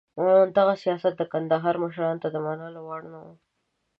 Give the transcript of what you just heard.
دغه سیاست د کندهار مشرانو ته د منلو وړ نه و.